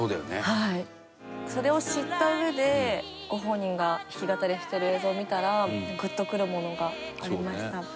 高山：それを知ったうえでご本人が弾き語りをしている映像を見たらグッとくるものがありました。